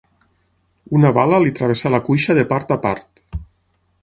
Una bala li travessà la cuixa de part a part.